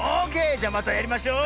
じゃまたやりましょう！